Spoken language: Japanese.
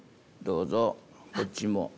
どうぞこっちも。